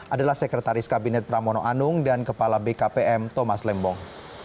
adalah sekretaris kabinet pramono anung dan kepala bkpm thomas lembong